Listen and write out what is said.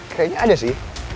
kayaknya ada sih